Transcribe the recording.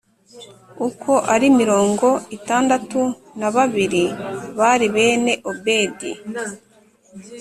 Uko ari mirongo itandatu na babiri bari bene Obedi